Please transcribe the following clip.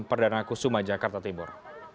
perdana kusuma jakarta timur